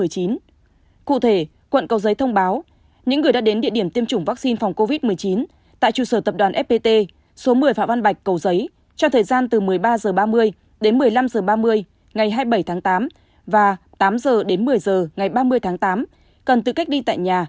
cụ thể quận cầu giấy thông báo những người đã đến địa điểm tiêm chủng vaccine phòng covid một mươi chín tại trụ sở tập đoàn fpt số một mươi phạm văn bạch cầu giấy trong thời gian từ một mươi ba h ba mươi đến một mươi năm h ba mươi ngày hai mươi bảy tháng tám và tám h đến một mươi h ngày ba mươi tháng tám cần tự cách ly tại nhà